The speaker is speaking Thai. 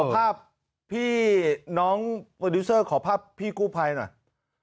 ภาพพี่น้องโปรดิวเซอร์ขอภาพพี่กู้ภัยหน่อย